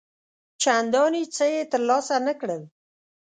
چنداني څه یې تر لاسه نه کړل.